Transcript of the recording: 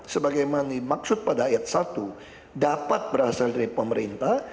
sebagai maksud pada ayat satu dapat berasal dari pemerintah